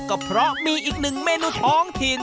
ก็เพราะมีอีกหนึ่งเมนูท้องถิ่น